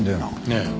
ええ。